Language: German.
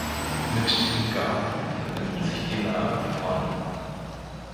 Mit diesem Garten verbinden sich die Namen von